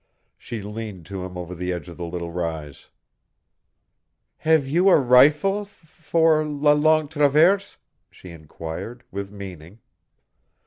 She leaned to him over the edge of the little rise. "Have you a rifle for la Longue Traverse?" she inquired, with meaning.